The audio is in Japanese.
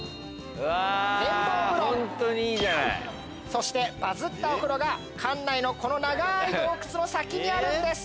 そしてバズったお風呂が館内のこの長い洞窟の先にあるんです。